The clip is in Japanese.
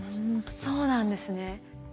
そうなんですね。